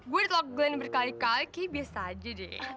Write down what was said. gue udah tolak glenn berkali kali kayaknya biasa aja deh